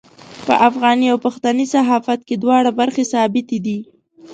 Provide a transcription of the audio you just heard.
په افغاني او پښتني صحافت کې دواړه برخې ثابتې دي.